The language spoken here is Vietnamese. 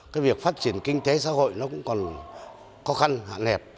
cái việc phát triển kinh tế xã hội nó cũng còn khó khăn hạn hẹp